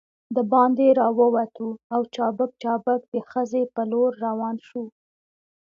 دباندې راووتو او چابک چابک د خزې په لور روان شوو.